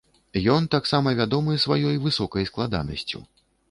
Ён таксама вядомы сваёй высокай складанасцю.